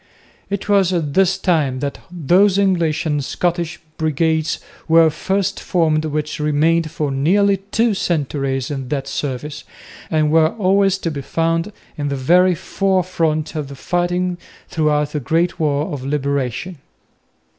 It was at this time that those English and Scottish Brigades were first formed which remained for nearly two centuries in that service, and were always to be found in the very forefront of the fighting throughout the great war of Liberation.